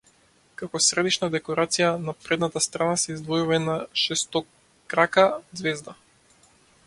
Како средишна декорација на предната страна се издвојува една шестокрака ѕвезда.